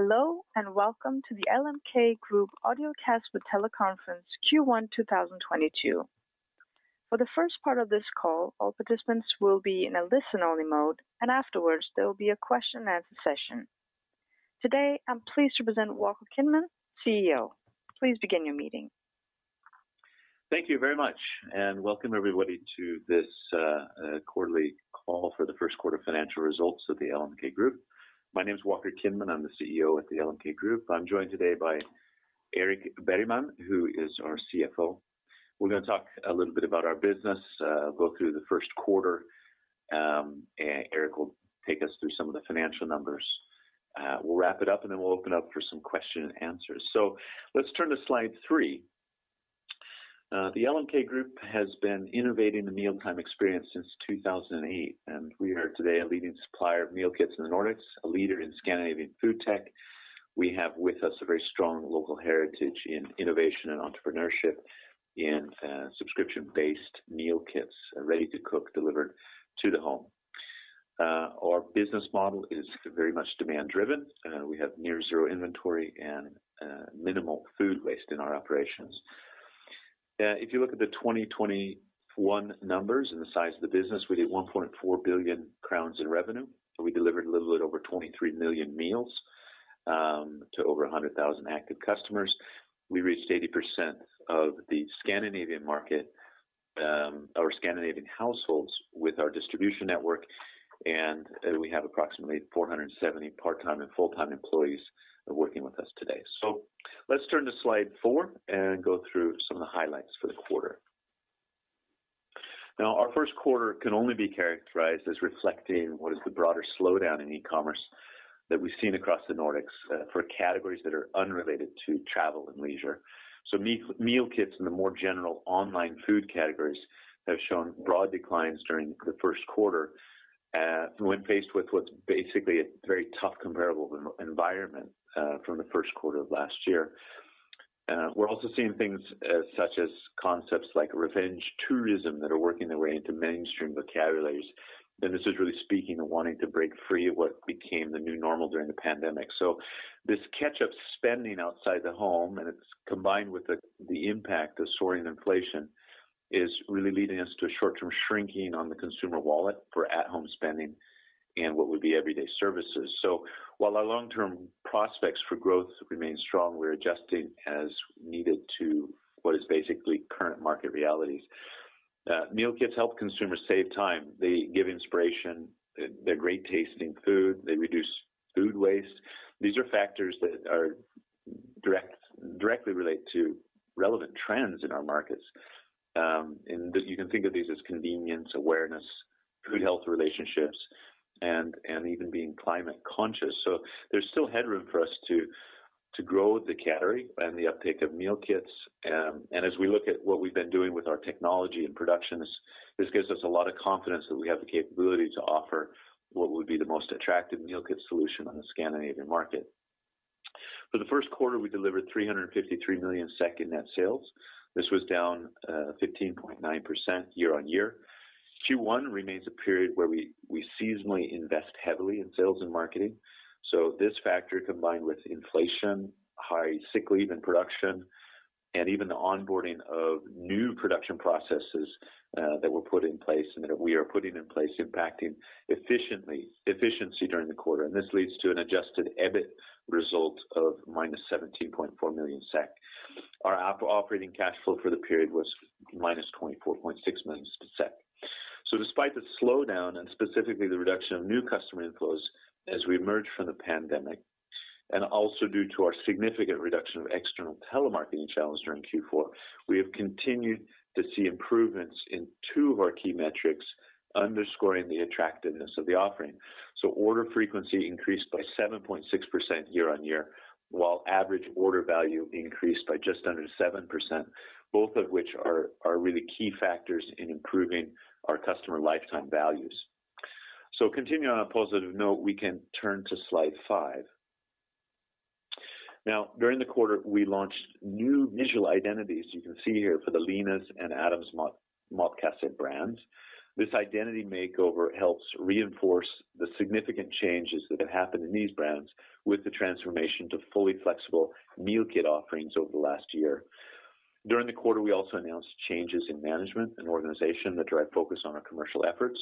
Hello, and welcome to the LMK Group Audiocast with Teleconference Q1 2022. For the first part of this call, all participants will be in a listen-only mode, and afterwards, there will be a question and answer session. Today, I'm pleased to present Walker Kinman, CEO. Please begin your meeting. Thank you very much, and welcome everybody to this quarterly call for the first quarter financial results of LMK Group. My name is Walker Kinman. I'm the CEO at LMK Group. I'm joined today by Erik Bergman, who is our CFO. We're gonna talk a little bit about our business, go through the first quarter, and Erik will take us through some of the financial numbers. We'll wrap it up, and then we'll open up for some question and answers. Let's turn to slide three. The LMK Group has been innovating the mealtime experience since 2008, and we are today a leading supplier of meal kits in the Nordics, a leader in Scandinavian food tech. We have with us a very strong local heritage in innovation and entrepreneurship in subscription-based meal kits, ready to cook, delivered to the home. Our business model is very much demand-driven. We have near zero inventory and minimal food waste in our operations. If you look at the 2021 numbers and the size of the business, we did 1.4 billion crowns in revenue, and we delivered a little bit over 23 million meals to over 100,000 active customers. We reached 80% of the Scandinavian market or Scandinavian households with our distribution network, and we have approximately 470 part-time and full-time employees working with us today. Let's turn to slide four and go through some of the highlights for the quarter. Now, our first quarter can only be characterized as reflecting what is the broader slowdown in e-commerce that we've seen across the Nordics, for categories that are unrelated to travel and leisure. Meal kits in the more general online food categories have shown broad declines during the first quarter, when faced with what's basically a very tough comparable environment, from the first quarter of last year. We're also seeing things, such as concepts like revenge tourism that are working their way into mainstream vocabularies, and this is really speaking of wanting to break free of what became the new normal during the pandemic. This catch-up spending outside the home, and it's combined with the impact of soaring inflation, is really leading us to short-term shrinking on the consumer wallet for at-home spending and what would be everyday services. While our long-term prospects for growth remain strong, we're adjusting as needed to what is basically current market realities. Meal kits help consumers save time. They give inspiration. They're great-tasting food. They reduce food waste. These are factors that directly relate to relevant trends in our markets, and you can think of these as convenience, awareness, food-health relationships, and even being climate conscious. There's still headroom for us to grow the category and the uptake of meal kits. And as we look at what we've been doing with our technology and production, this gives us a lot of confidence that we have the capability to offer what would be the most attractive meal kit solution on the Scandinavian market. For the first quarter, we delivered 353 million in net sales. This was down 15.9% year-on-year. Q1 remains a period where we seasonally invest heavily in sales and marketing. This factor, combined with inflation, high sick leave in production, and even the onboarding of new production processes that were put in place and that we are putting in place impacting efficiency during the quarter, leads to an Adjusted EBIT result of -17.4 million SEK. Our operating cash flow for the period was -24.6 million SEK. Despite the slowdown and specifically the reduction of new customer inflows as we emerge from the pandemic, and also due to our significant reduction of external telemarketing channels during Q4, we have continued to see improvements in two of our key metrics underscoring the attractiveness of the offering. Order frequency increased by 7.6% year-on-year, while average order value increased by just under 7%, both of which are really key factors in improving our customer lifetime values. Continuing on a positive note, we can turn to slide five. Now, during the quarter, we launched new visual identities, you can see here, for the Linas Matkasse and Adams Matkasse brands. This identity makeover helps reinforce the significant changes that have happened in these brands with the transformation to fully flexible meal kit offerings over the last year. During the quarter, we also announced changes in management and organization that drive focus on our commercial efforts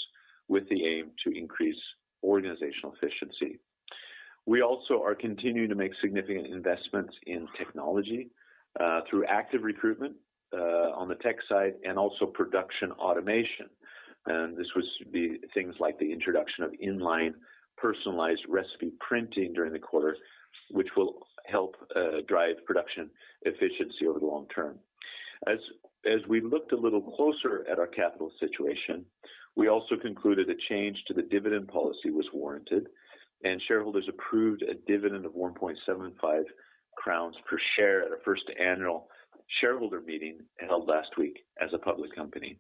with the aim to increase organizational efficiency. We also are continuing to make significant investments in technology through active recruitment on the tech side and also production automation. This was the things like the introduction of inline personalized recipe printing during the quarter, which will help drive production efficiency over the long term. As we looked a little closer at our capital situation, we also concluded a change to the dividend policy was warranted, and shareholders approved a dividend of 1.75 crowns per share at our First Annual Shareholder Meeting held last week as a public company.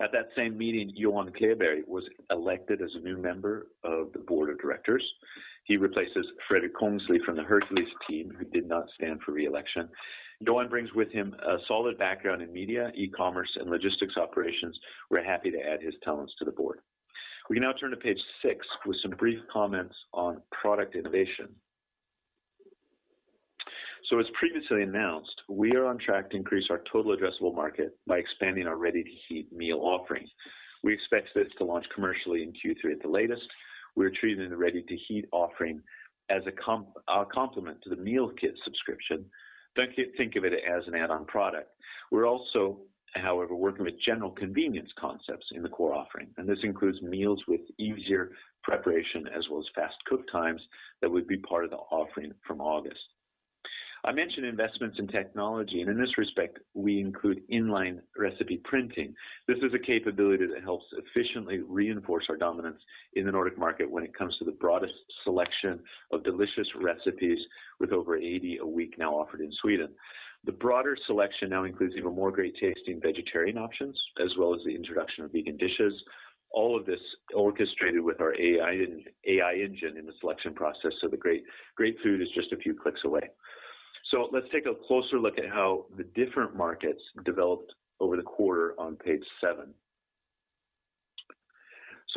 At that same meeting, Johan Kleberg was elected as a new member of the Board of Directors. He replaces Fredrik Kongsli from the Herkules team, who did not stand for reelection. Johan brings with him a solid background in media, e-commerce, and logistics operations. We're happy to add his talents to the Board. We can now turn to page six with some brief comments on Product Innovation. As previously announced, we are on track to increase our total addressable market by expanding our ready-to-heat meal offering. We expect this to launch commercially in Q3 at the latest. We're treating the ready-to-heat offering as a complement to the meal kit subscription. Don't think of it as an add-on product. We're also, however, working with general convenience concepts in the core offering, and this includes meals with easier preparation as well as fast cook times that would be part of the offering from August. I mentioned investments in technology, and in this respect, we include inline recipe printing. This is a capability that helps efficiently reinforce our dominance in the Nordic market when it comes to the broadest selection of delicious recipes with over 80 a week now offered in Sweden. The broader selection now includes even more great-tasting vegetarian options, as well as the introduction of vegan dishes. All of this orchestrated with our AI engine in the selection process, so the great food is just a few clicks away. Let's take a closer look at how the different markets developed over the quarter on page seven.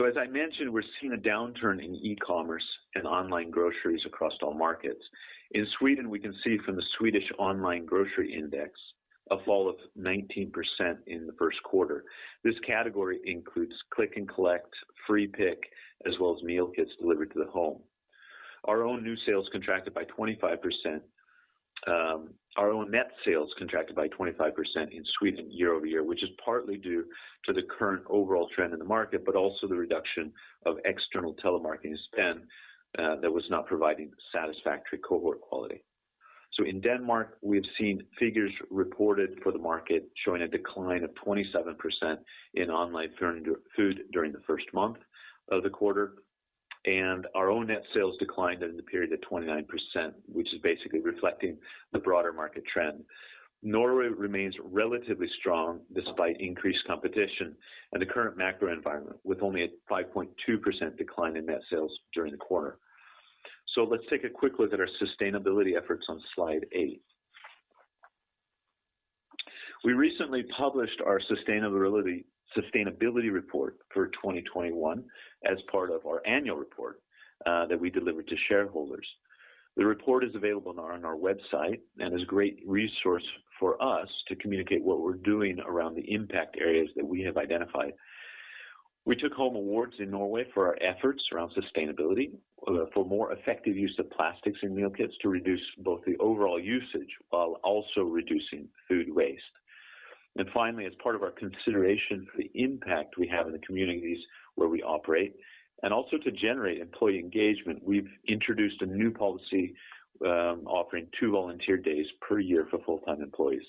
As I mentioned, we're seeing a downturn in e-commerce and online groceries across all markets. In Sweden, we can see from the Swedish Online Grocery Index a fall of 19% in the first quarter. This category includes click & collect, free pickup, as well as meal kits delivered to the home. Our own net sales contracted by 25%. Our own net sales contracted by 25% in Sweden year-over-year, which is partly due to the current overall trend in the market, but also the reduction of external telemarketing spend that was not providing satisfactory cohort quality. In Denmark, we've seen figures reported for the market showing a decline of 27% in online food during the first month of the quarter, and our own net sales declined in the period of 29%, which is basically reflecting the broader market trend. Norway remains relatively strong despite increased competition and the current macro environment, with only a 5.2% decline in net sales during the quarter. Let's take a quick look at our sustainability efforts on slide eight. We recently published our Sustainability Report for 2021 as part of our annual report that we delivered to shareholders. The report is available on our website and is a great resource for us to communicate what we're doing around the impact areas that we have identified. We took home awards in Norway for our efforts around sustainability for more effective use of plastics in meal kits to reduce both the overall usage while also reducing food waste. Finally, as part of our consideration for the impact we have in the communities where we operate and also to generate employee engagement, we've introduced a new policy, offering two volunteer days per year for full-time employees.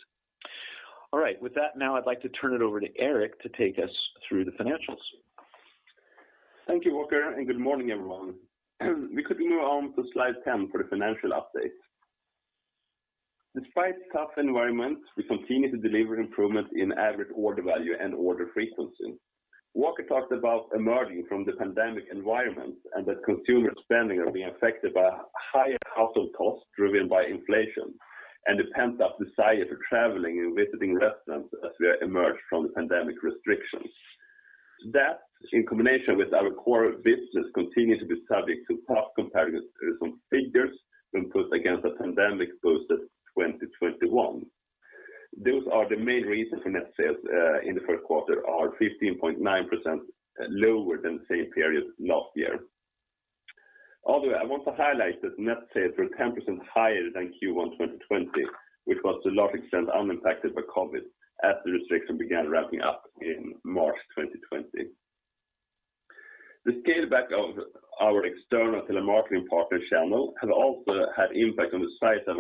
All right. With that now I'd like to turn it over to Erik to take us through the financials. Thank you, Walker, and good morning, everyone. We could move on to slide 10 for the financial update. Despite tough environment, we continue to deliver improvement in average order value and order frequency. Walker talked about emerging from the pandemic environment and that consumer spending are being affected by higher household costs driven by inflation and the pent-up desire for traveling and visiting restaurants as we emerge from the pandemic restrictions. That, in combination with our core business, continues to be subject to tough comparison figures when put against the pandemic-boosted 2021. Those are the main reasons for net sales in the first quarter are 15.9% lower than the same period last year. Although I want to highlight that net sales were 10% higher than Q1 2020, which was to a large extent unimpacted by COVID as the restriction began ramping up in March 2020. The scale back of our external telemarketing partner channel has also had impact on the size of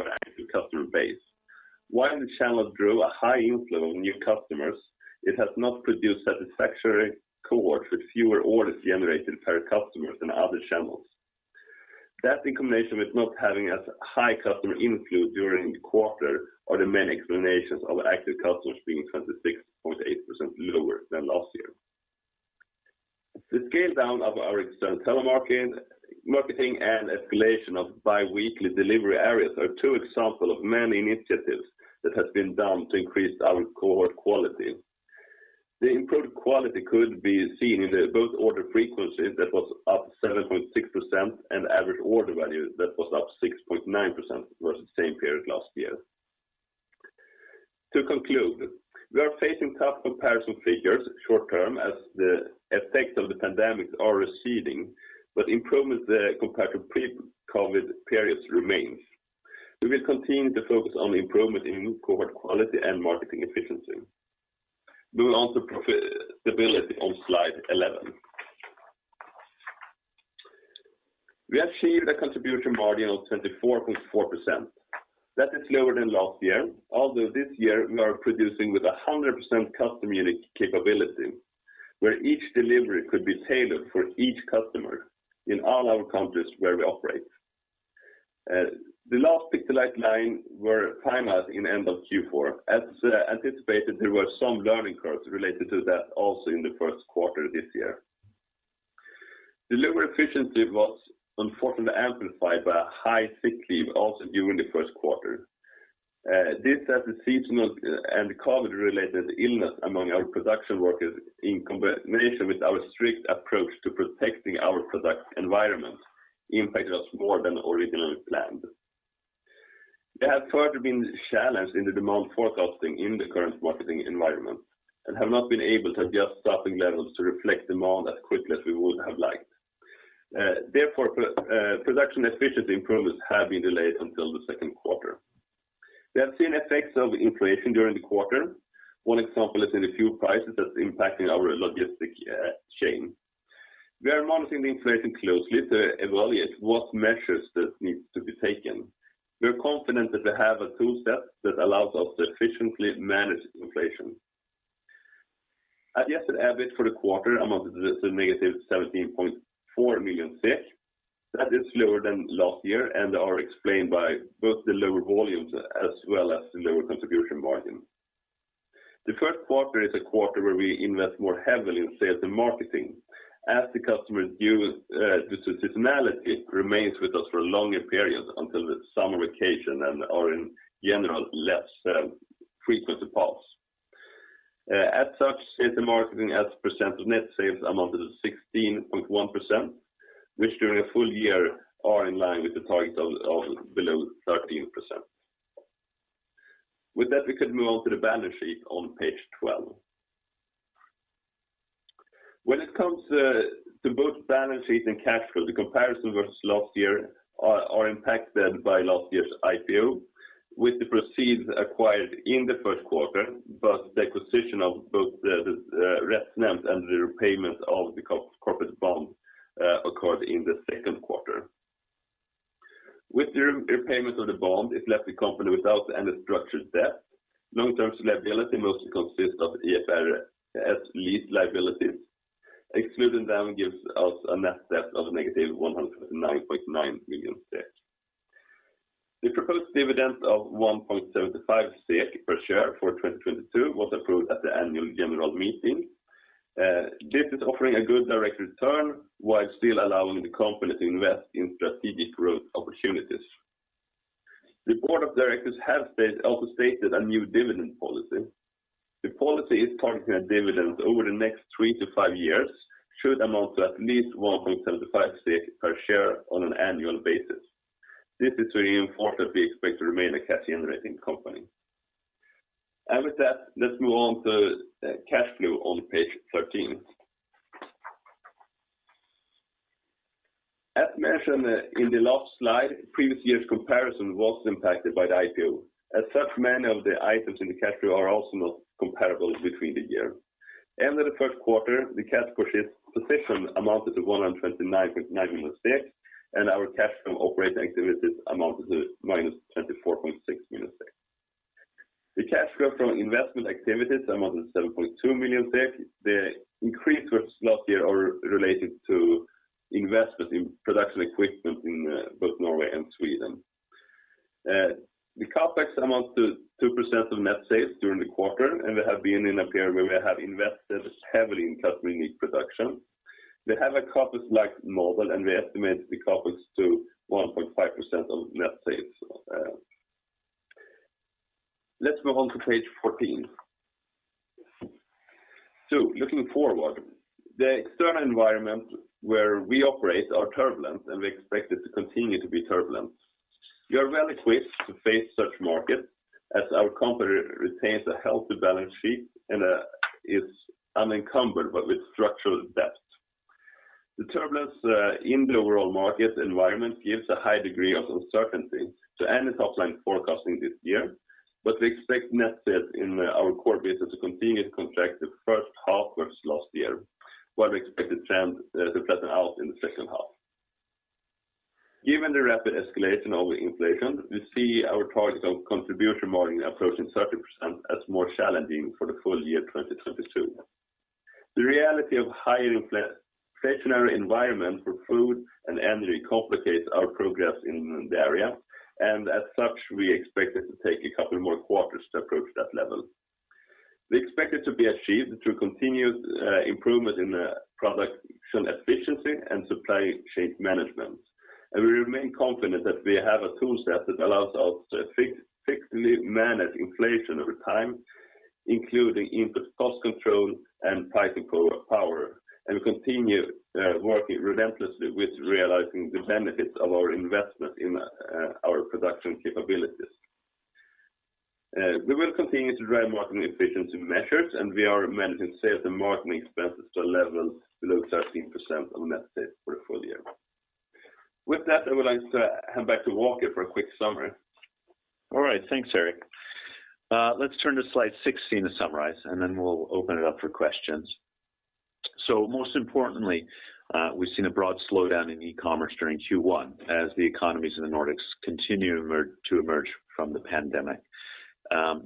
our active customer base. While the channel drew a high inflow of new customers, it has not produced satisfactory cohorts with fewer orders generated per customer than other channels. That, in combination with not having as high customer inflow during the quarter are the main explanations of active customers being 26.8% lower than last year. The scale-down of our external telemarketing marketing and escalation of biweekly delivery areas are two examples of many initiatives that have been done to increase our cohort quality. The improved quality could be seen in both order frequencies, that was up 7.6%, and average order value, that was up 6.9% versus the same period last year. To conclude, we are facing tough comparison figures short term as the effects of the pandemic are receding, but improvements compared to pre-COVID periods remains. We will continue to focus on improvement in cohort quality and marketing efficiency. Moving on to profitability on slide 11. We achieved a contribution margin of 24.4%. That is lower than last year, although this year we are producing with 100% custom unique capability, where each delivery could be tailored for each customer in all our countries where we operate. The last pre-set line were timed out in end of Q4. As anticipated, there were some learning curves related to that also in the first quarter this year. Delivery efficiency was unfortunately amplified by high sick leave also during the first quarter. This has a seasonal and COVID-related illness among our production workers in combination with our strict approach to protecting our product environment impacted us more than originally planned. There have further been challenges in the demand forecasting in the current marketing environment, and have not been able to adjust staffing levels to reflect demand as quickly as we would have liked. Therefore, production efficiency improvements have been delayed until the second quarter. We have seen effects of inflation during the quarter. One example is in the fuel prices that's impacting our logistics chain. We are monitoring the inflation closely to evaluate what measures that need to be taken. We are confident that we have a tool set that allows us to efficiently manage inflation. Adjusted EBIT for the quarter amounted to -17.4 million. That is lower than last year and are explained by both the lower volumes as well as the lower contribution margin. The first quarter is a quarter where we invest more heavily in sales and marketing as the customers use the seasonality remains with us for a longer period until the summer vacation and are in general less frequency pulse. As such, Sales and Marketing as a percent of net sales amounted to 16.1%, which during a full year are in line with the targets of below 13%. With that, we could move on to the balance sheet on page 12. When it comes to both balance sheet and cash flow, the comparison versus last year are impacted by last year's IPO, with the proceeds acquired in the first quarter, but the acquisition of both the RetNemt and the repayments of the corporate bond occurred in the second quarter. With the repayment of the bond, it left the company without any structured debt. Long-term liability mostly consists of IFRS 16 Lease Liabilities. Excluding them gives us a net-debt of -109.9 million. The proposed dividend of 1.75 per share for 2022 was approved at the Annual General Meeting. This is offering a good direct return while still allowing the company to invest in strategic growth opportunities. The Board of Directors have also stated a new dividend policy. The policy is targeting a dividend over the next three to five years should amount to at least 1.75 per share on an annual basis. This is to reinforce that we expect to remain a cash-generating company. With that, let's move on to cash flow on page 13. As mentioned in the last slide, previous year's comparison was impacted by the IPO. As such, many of the items in the cash flow are also not comparable between years. End of the first quarter, the cash position amounted to 129.9 million, and our cash from operating activities amounted to -24.6 million. The cash flow from investment activities amounted to 7.2 million. The increase versus last year are related to investments in production equipment in both Norway and Sweden. The CapEx amounts to 2% of net sales during the quarter, and we have been in a period where we have invested heavily in customer unique production. We have a CapEx-like model, and we estimate the CapEx to 1.5% of net sales. Let's move on to page 14. Looking forward, the external environment where we operate are turbulent, and we expect it to continue to be turbulent. We are well-equipped to face such market as our company retains a healthy balance sheet and is unencumbered but with structural debt. The turbulence in the overall market environment gives a high degree of uncertainty to any top-line forecasting this year, but we expect net sales in our core business to continue to contract the first half versus last year, while we expect the trend to flatten out in the second half. Given the rapid escalation of inflation, we see our target of contribution margin approaching 30% as more challenging for the full year 2022. The reality of higher inflationary environment for food and energy complicates our progress in the area, and as such, we expect it to take a couple more quarters to approach that level. We expect it to be achieved through continued improvement in production efficiency and supply chain management. We remain confident that we have a tool set that allows us to flexibly manage inflation over time, including input cost control and pricing power, and continue working relentlessly with realizing the benefits of our investment in our production capabilities. We will continue to drive margin efficiency measures, and we are managing sales and marketing expenses to a level below 13% of net sales for the full year. With that, I would like to hand back to Walker for a quick summary. All right. Thanks, Erik. Let's turn to slide 16 to summarize, and then we'll open it up for questions. Most importantly, we've seen a broad slowdown in e-commerce during Q1 as the economies in the Nordics continue to emerge from the pandemic.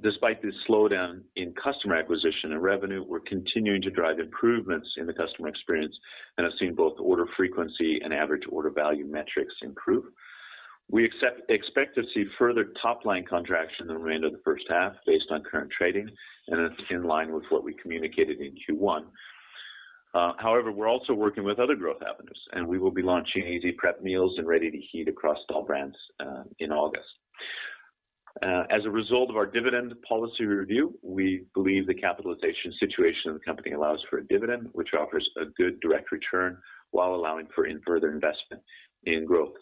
Despite this slowdown in customer acquisition and revenue, we're continuing to drive improvements in the customer experience and have seen both order frequency and average order value metrics improve. We expect to see further top-line contraction in the remainder of the first half based on current trading and in line with what we communicated in Q1. However, we're also working with other growth avenues, and we will be launching easy prep meals and ready to heat across all brands in August. As a result of our dividend policy review, we believe the capitalization situation of the company allows for a dividend which offers a good direct return while allowing for further investment in growth.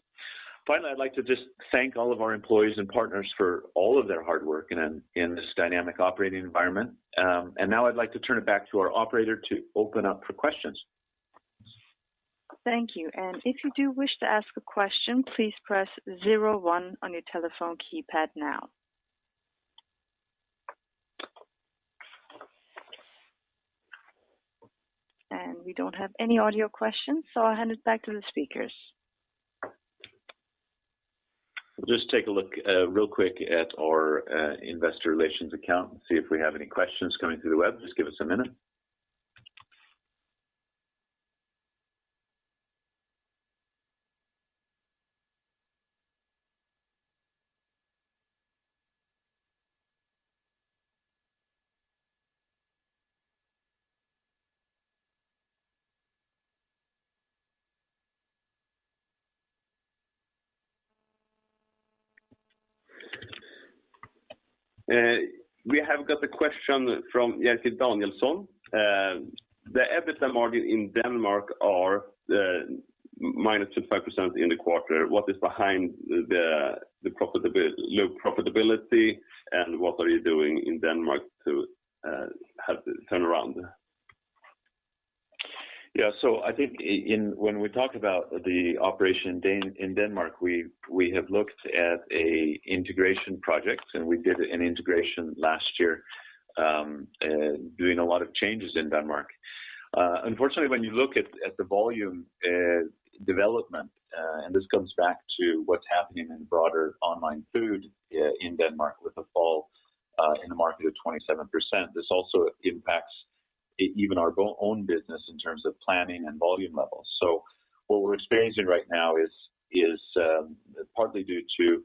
Finally, I'd like to just thank all of our employees and partners for all of their hard work in this dynamic operating environment. Now I'd like to turn it back to our operator to open up for questions. Thank you. If you do wish to ask a question, please press zero one on your telephone keypad now. We don't have any audio questions, so I'll hand it back to the speakers. We'll just take a look, real quick at our, Investor Relations account and see if we have any questions coming through the web. Just give us a minute. We have got a question from Jerker Danielsson. The EBITDA margin in Denmark are -25% in the quarter. What is behind the low profitability and what are you doing in Denmark to have the turnaround? I think when we talk about the operation in Denmark, we have looked at an integration project, and we did an integration last year, doing a lot of changes in Denmark. Unfortunately, when you look at the volume development, and this comes back to what's happening in broader online food in Denmark with a fall in the market of 27%. This also impacts even our own business in terms of planning and volume levels. What we're experiencing right now is partly due to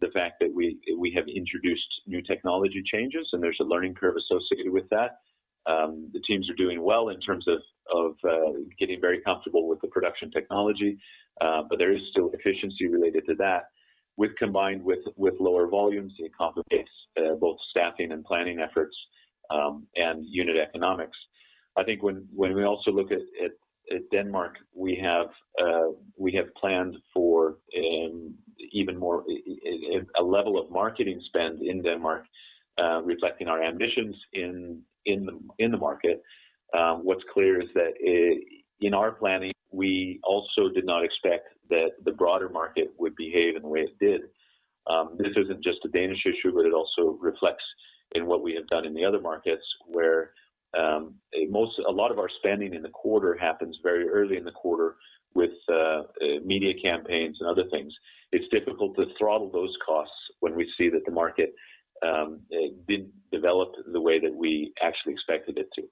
the fact that we have introduced new technology changes, and there's a learning curve associated with that. The teams are doing well in terms of getting very comfortable with the production technology, but there is still efficiency related to that. Combined with lower volumes, it complicates both staffing and planning efforts and unit economics. I think when we also look at Denmark, we have planned for even more a level of marketing spend in Denmark, reflecting our ambitions in the market. What's clear is that in our planning, we also did not expect that the broader market would behave in the way it did. This isn't just a Danish issue, but it also reflects in what we have done in the other markets where a lot of our spending in the quarter happens very early in the quarter with media campaigns and other things. It's difficult to throttle those costs when we see that the market didn't develop the way that we actually expected it to.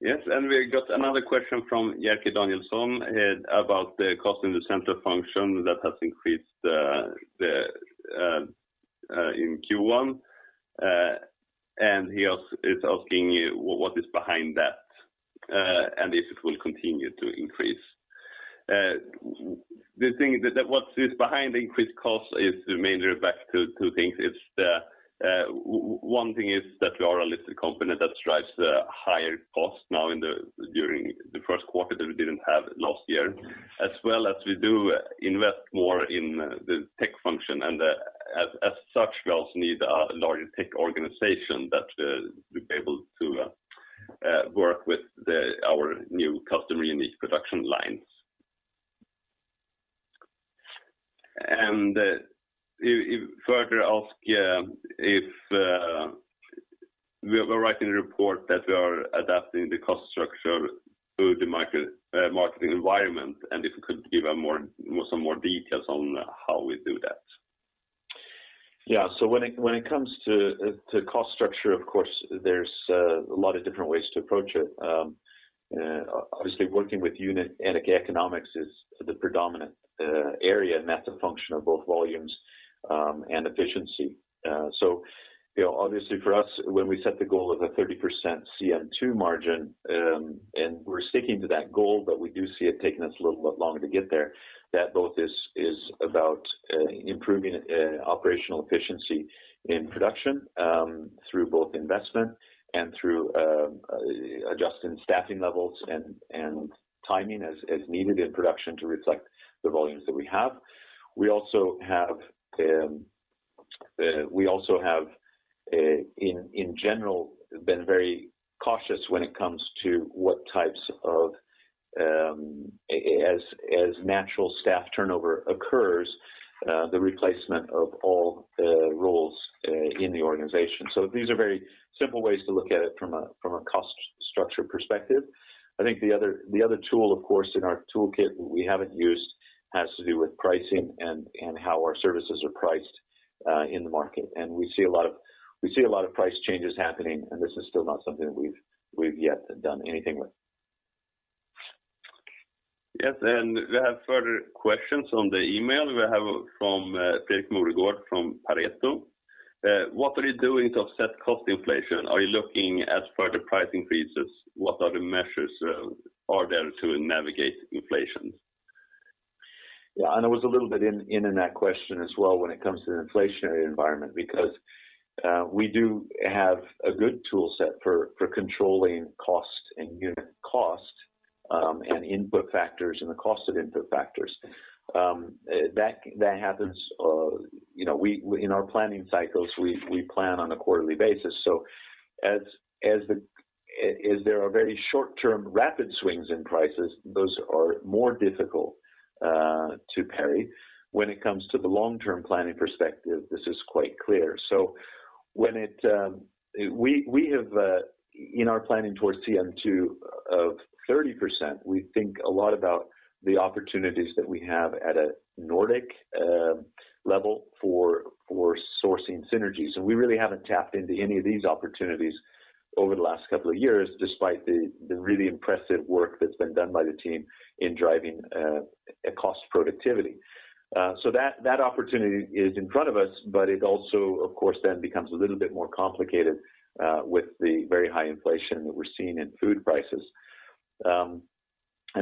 Yes. We got another question from Jerker Danielsson about the cost in the center function that has increased in Q1. He is asking you what is behind that and if it will continue to increase. The thing is that what is behind increased costs is mainly due to two things. It's one thing is that we are a listed company that drives the higher costs now during the first quarter that we didn't have last year. As well as we do invest more in the tech function and as such we also need a larger tech organization that will be able to work with our new customer unique production lines. He further asks if we have a written report that we are adapting the cost structure to the market and marketing environment, and if you could give some more details on how we do that. Yeah. When it comes to cost structure, of course, there's a lot of different ways to approach it. Obviously working with unit economics is the predominant area, and that's a function of both volumes and efficiency. You know, obviously for us, when we set the goal of a 30% CM2 margin, and we're sticking to that goal, but we do see it taking us a little bit longer to get there. That is about improving operational efficiency in production through both investment and adjusting staffing levels and timing as needed in production to reflect the volumes that we have. We also have in general been very cautious when it comes to what types of as natural staff turnover occurs, the replacement of all roles in the organization. These are very simple ways to look at it from a cost structure perspective. I think the other tool, of course, in our toolkit we haven't used has to do with pricing and how our services are priced in the market. We see a lot of price changes happening, and this is still not something we've yet done anything with. We have further questions on the email we have from Fredrik Moregård from Pareto. What are you doing to offset cost inflation? Are you looking as per the price increases? What measures are there to navigate inflation? Yeah. It was a little bit in that question as well when it comes to the inflationary environment because we do have a good tool set for controlling cost and unit cost and input factors and the cost of input factors. That happens, you know, in our planning cycles, we plan on a quarterly basis. So as there are very short-term rapid swings in prices, those are more difficult to parry. When it comes to the long-term planning perspective, this is quite clear. We have in our planning towards CM2 of 30%, we think a lot about the opportunities that we have at a Nordic level for sourcing synergies. We really haven't tapped into any of these opportunities over the last couple of years despite the really impressive work that's been done by the team in driving cost productivity. That opportunity is in front of us, but it also, of course, then becomes a little bit more complicated with the very high inflation that we're seeing in food prices.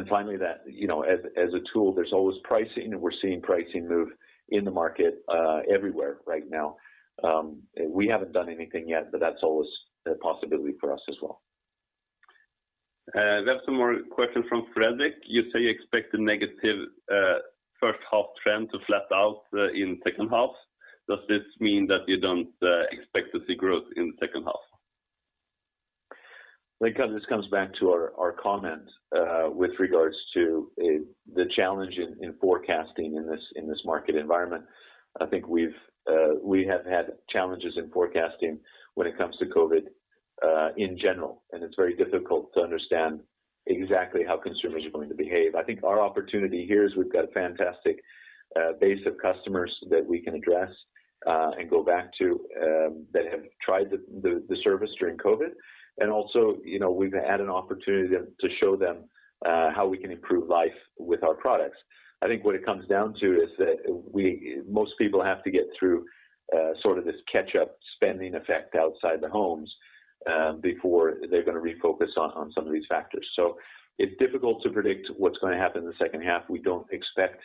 Finally that you know as a tool there's always pricing, and we're seeing pricing move in the market everywhere right now. We haven't done anything yet, but that's always a possibility for us as well. We have some more questions from Fredrik Moregård. You say you expect the negative first half trend to flatten out in second half. Does this mean that you don't expect to see growth in the second half? Like, this comes back to our comment with regards to the challenge in forecasting in this market environment. I think we have had challenges in forecasting when it comes to COVID in general, and it's very difficult to understand exactly how consumers are going to behave. I think our opportunity here is we've got a fantastic base of customers that we can address and go back to that have tried the service during COVID. Also, you know, we've had an opportunity to show them how we can improve life with our products. I think what it comes down to is that most people have to get through sort of this catch-up spending effect outside the homes before they're gonna refocus on some of these factors. It's difficult to predict what's gonna happen in the second half. We don't expect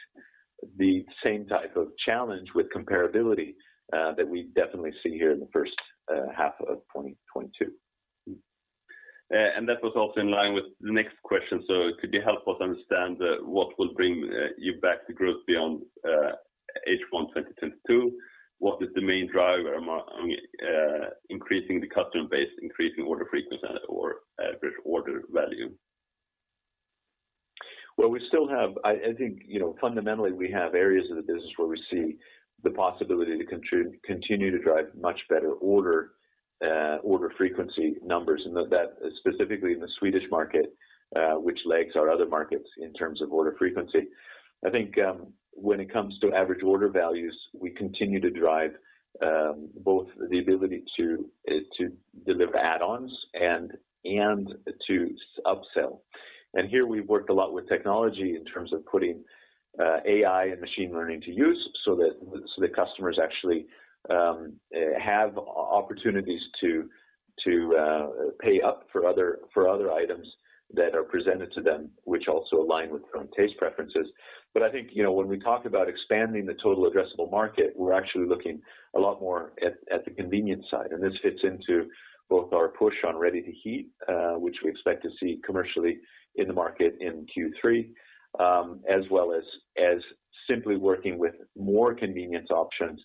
the same type of challenge with comparability that we definitely see here in the first half of 2022. That was also in line with the next question. Could you help us understand what will bring you back to growth beyond H1 2022? What is the main driver? I mean, increasing the customer base, increasing order frequency or average order value? Well, we still have, I think, you know, fundamentally, areas of the business where we see the possibility to continue to drive much better order frequency numbers, and that specifically in the Swedish market, which lags our other markets in terms of order frequency. I think, when it comes to average order values, we continue to drive both the ability to deliver add-ons and to upsell. Here we've worked a lot with technology in terms of putting AI and machine learning to use so that the customers actually have opportunities to pay up for other items that are presented to them, which also align with their own taste preferences. I think, you know, when we talk about expanding the total addressable market, we're actually looking a lot more at the convenience side, and this fits into both our push on ready-to-heat, which we expect to see commercially in the market in Q3, as well as simply working with more convenience options.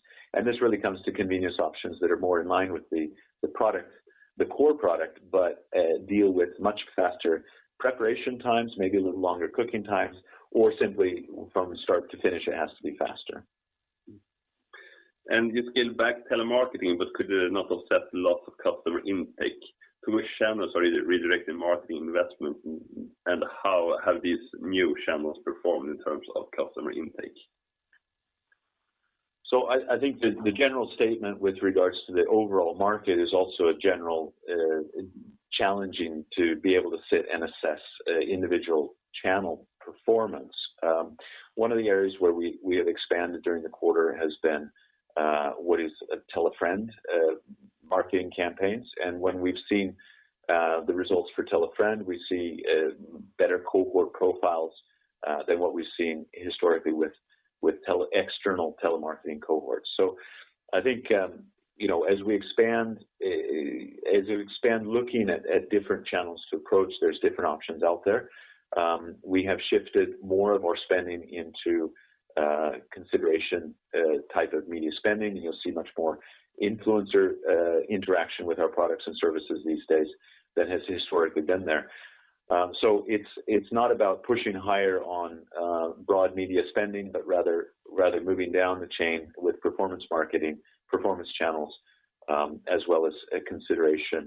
This really comes to convenience options that are more in line with the product, the core product, but deal with much faster preparation times, maybe a little longer cooking times, or simply from start to finish, it has to be faster. You scaled back telemarketing, but could it not offset loss of customer intake? To which channels are you redirecting marketing investment, and how have these new channels performed in terms of customer intake? I think the general statement with regards to the overall market is also generally challenging to be able to sit and assess individual channel performance. One of the areas where we have expanded during the quarter has been what is Tell a Friend marketing campaigns. When we've seen the results for Tell a Friend, we see better cohort profiles than what we've seen historically with external telemarketing cohorts. I think you know as we expand looking at different channels to approach, there's different options out there. We have shifted more and more spending into consideration type of media spending, and you'll see much more influencer interaction with our products and services these days than has historically been there. It's not about pushing higher on broad media spending, but rather moving down the chain with performance marketing, performance channels, as well as consideration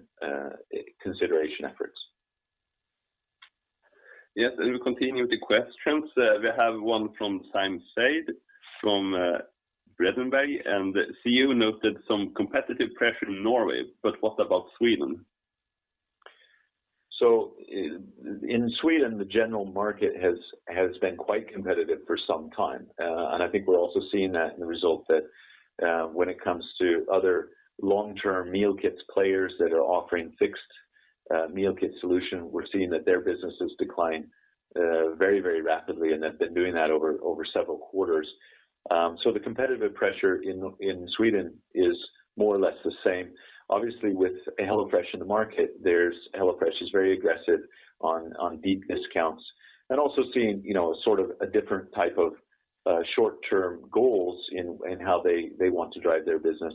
efforts. Yes. We continue with the questions. We have one from [Simon Sade from Berenberg]. CEO noted some competitive pressure in Norway, but what about Sweden? In Sweden, the general market has been quite competitive for some time. I think we're also seeing that in the result that when it comes to other long-term meal kits players that are offering fixed meal kit solution, we're seeing that their businesses decline very rapidly, and they've been doing that over several quarters. The competitive pressure in Sweden is more or less the same. Obviously, with HelloFresh in the market, there's HelloFresh is very aggressive on deep discounts, and also seeing, you know, sort of a different type of short-term goals in how they want to drive their business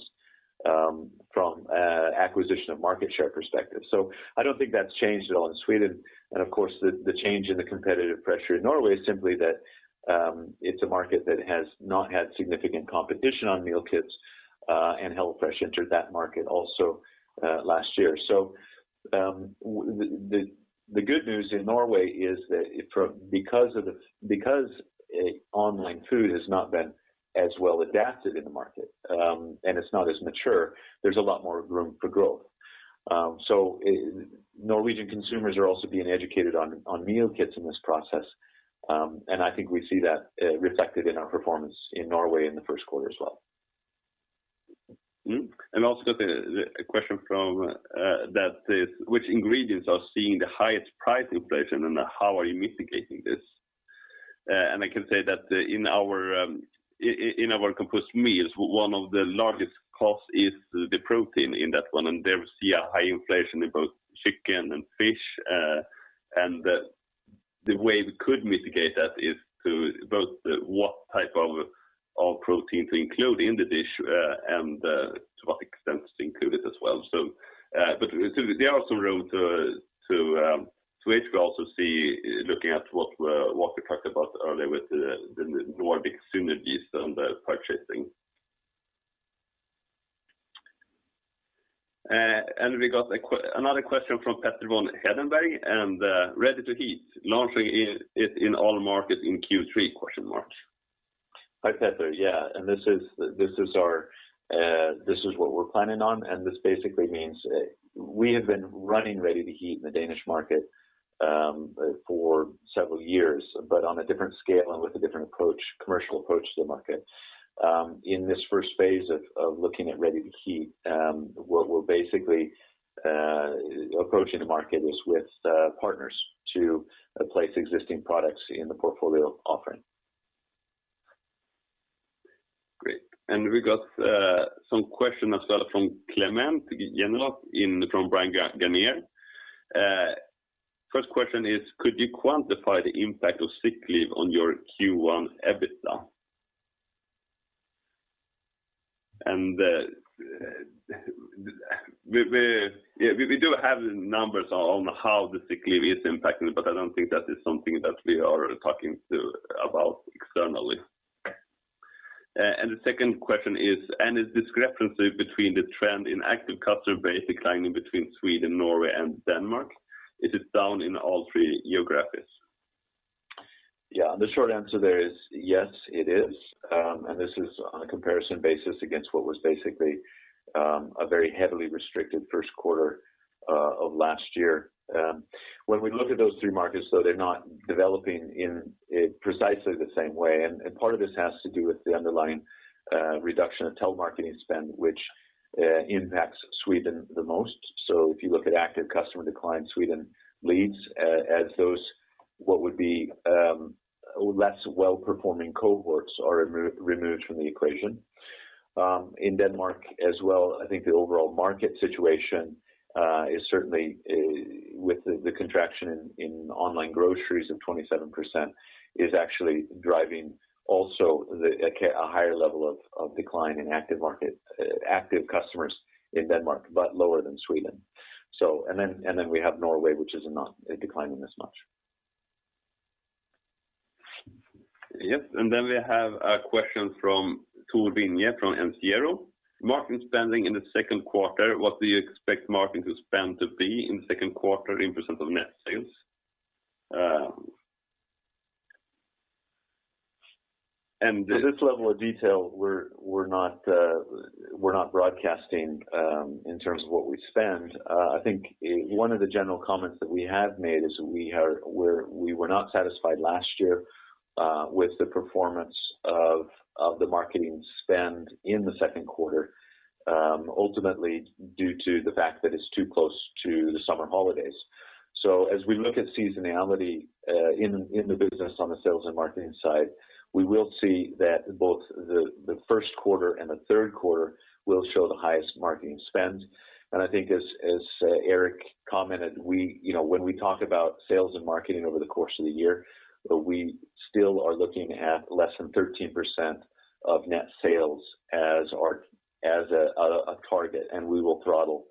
from acquisition of market share perspective. I don't think that's changed at all in Sweden, and of course, the change in the competitive pressure in Norway is simply that, it's a market that has not had significant competition on meal kits, and HelloFresh entered that market also, last year. The good news in Norway is that because online food has not been as well adapted in the market, and it's not as mature, there's a lot more room for growth. Norwegian consumers are also being educated on meal kits in this process, and I think we see that reflected in our performance in Norway in the first quarter as well. Also the question from that is which ingredients are seeing the highest price inflation and how are you mitigating this? I can say that in our composed meals, one of the largest costs is the protein in that one, and there we see a high inflation in both chicken and fish. The way we could mitigate that is to both what type of protein to include in the dish, and to what extent to include it as well. But there are some room to which we also see looking at what we talked about earlier with the Nordic synergies on the purchasing. We got another question from Petter von Hedenberg, and ready-to-heat launching in all markets in Q3? Hi, Petter. Yeah. This is what we're planning on, and this basically means we have been running ready-to-heat in the Danish market for several years, but on a different scale and with a different commercial approach to the market. In this first phase of looking at ready-to-heat, what we're basically approaching the market is with partners to place existing products in the portfolio offering. Great. We got some question as well from [Clément Jenot from Bryan, Garnier]. First question is, could you quantify the impact of sick leave on your Q1 EBITDA? We do have numbers on how the sick leave is impacting, but I don't think that is something that we are talking about externally. The second question is the discrepancy between the trend in active customer base declining between Sweden, Norway and Denmark? Is it down in all three geographies? Yeah. The short answer there is, yes, it is. This is on a comparison basis against what was basically a very heavily restricted first quarter of last year. When we look at those three markets, though, they're not developing in precisely the same way. Part of this has to do with the underlying reduction of telemarketing spend, which impacts Sweden the most. If you look at active customer decline, Sweden leads as those what would be less well-performing cohorts are removed from the equation. In Denmark as well, I think the overall market situation is certainly with the contraction in online groceries of 27% is actually driving also a higher level of decline in active customers in Denmark, but lower than Sweden. We have Norway, which is not declining as much. Yes. We have a question from [Tor Vinje from DNB]. Marketing spending in the second quarter, what do you expect marketing spend to be in the second quarter in percent of net sales? This level of detail we're not broadcasting in terms of what we spend. I think one of the general comments that we have made is we were not satisfied last year with the performance of the marketing spend in the second quarter, ultimately due to the fact that it's too close to the summer holidays. As we look at seasonality in the business on the sales and marketing side, we will see that both the first quarter and the third quarter will show the highest marketing spend. I think as Erik commented, you know, when we talk about sales and marketing over the course of the year, we still are looking at less than 13% of net sales as a target, and we will throttle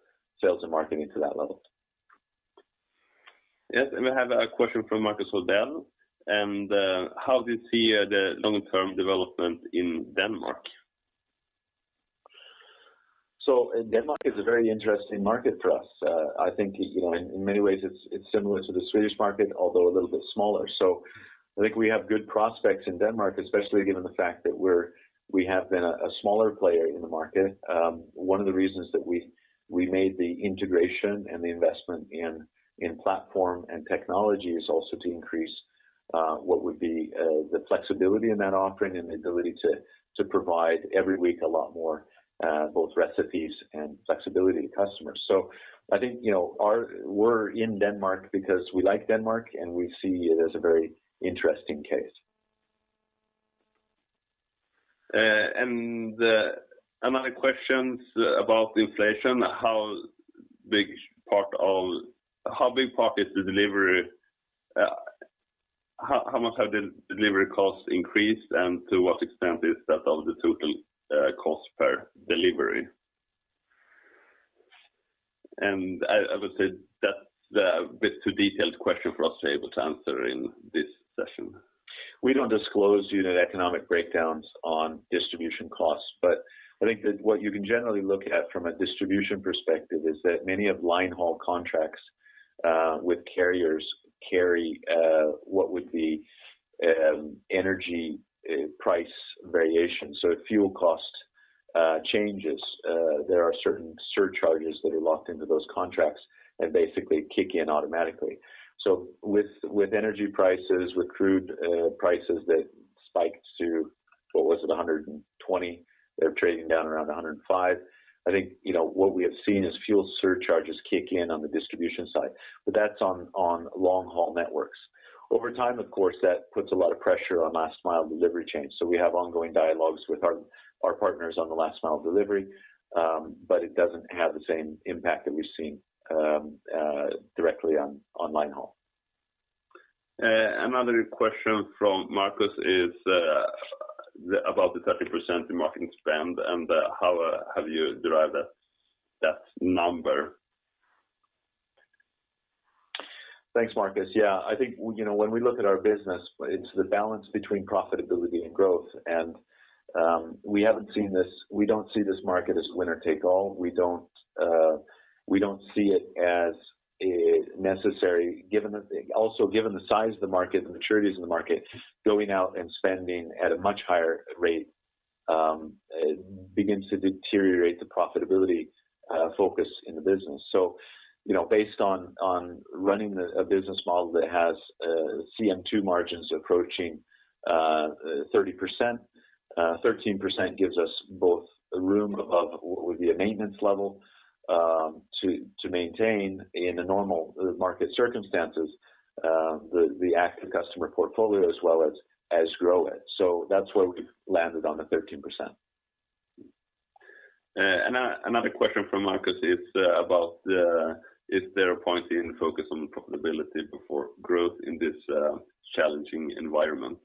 sales and marketing to that level. Yes. We have a question from [Marcus Diebel]. How do you see the long-term development in Denmark? Denmark is a very interesting market for us. I think, you know, in many ways it's similar to the Swedish market, although a little bit smaller. I think we have good prospects in Denmark, especially given the fact that we have been a smaller player in the market. One of the reasons that we made the integration and the investment in platform and technology is also to increase what would be the flexibility in that offering and the ability to provide every week a lot more both recipes and flexibility to customers. I think, you know, we're in Denmark because we like Denmark, and we see it as a very interesting case. Another question about inflation. How big part is the delivery? How much have the delivery costs increased, and to what extent is that of the total cost per delivery? I would say that's a bit too detailed question for us to be able to answer in this session. We don't disclose unit economic breakdowns on distribution costs. I think that what you can generally look at from a distribution perspective is that many of line haul contracts with carriers carry what would be energy price variation. If fuel cost changes, there are certain surcharges that are locked into those contracts that basically kick in automatically. With energy prices, with crude prices that spiked to, what was it? $120. They're trading down around $105. I think, you know, what we have seen is fuel surcharges kick in on the distribution side, but that's on long-haul networks. Over time, of course, that puts a lot of pressure on last mile delivery chains. We have ongoing dialogues with our partners on the last mile delivery. It doesn't have the same impact that we've seen directly on line haul. Another question from Marcus is about the 30% in marketing spend and how have you derived that number. Thanks, Marcus. Yeah. I think, you know, when we look at our business, it's the balance between profitability and growth. We don't see this market as winner take all. We don't see it as a necessity given the also given the size of the market and the maturities in the market, going out and spending at a much higher rate, begins to deteriorate the profitability focus in the business. You know, based on running a business model that has CM2 margins approaching 30%, 13% gives us both room above what would be a maintenance level, to maintain in the normal market circumstances, the active customer portfolio as well as grow it. That's why we've landed on the 13%. Another question from Marcus. It's about is there a point in focus on the profitability before growth in this challenging environment?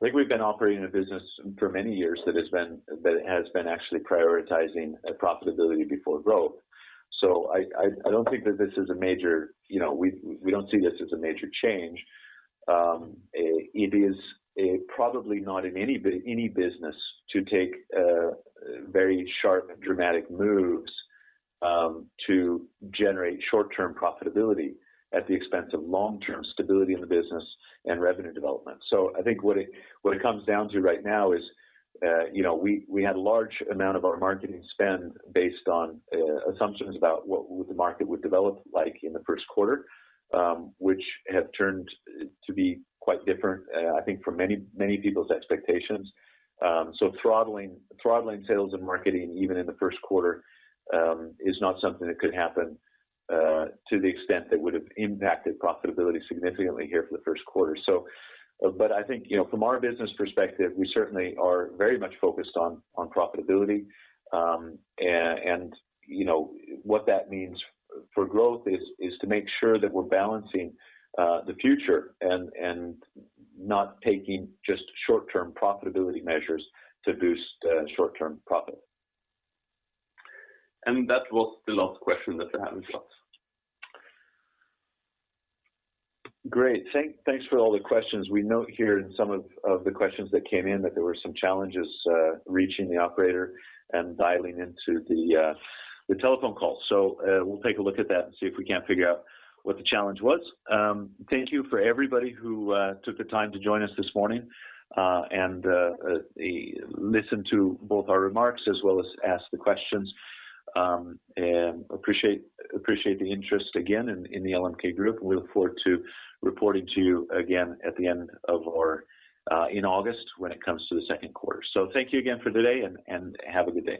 I think we've been operating a business for many years that has been actually prioritizing profitability before growth. I don't think that this is a major, you know, we don't see this as a major change. It is probably not in any business to take very sharp and dramatic moves to generate short-term profitability at the expense of long-term stability in the business and revenue development. I think what it comes down to right now is, you know, we had a large amount of our marketing spend based on assumptions about what the market would develop like in the first quarter, which have turned out to be quite different, I think from many people's expectations. Throttling sales and marketing even in the first quarter is not something that could happen to the extent that would have impacted profitability significantly here for the first quarter. I think, you know, from our business perspective, we certainly are very much focused on profitability. You know, what that means for growth is to make sure that we're balancing the future and not taking just short-term profitability measures to boost short-term profit. That was the last question that I have in slots. Great. Thanks for all the questions. We note here in some of the questions that came in that there were some challenges reaching the operator and dialing into the telephone call. We'll take a look at that and see if we can't figure out what the challenge was. Thank you for everybody who took the time to join us this morning and listen to both our remarks as well as ask the questions. Appreciate the interest again in the LMK Group. We look forward to reporting to you again at the end of our in August when it comes to the second quarter. Thank you again for today and have a good day.